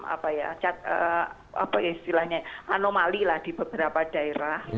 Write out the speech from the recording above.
apa ya cat apa istilahnya anomali lah di beberapa daerah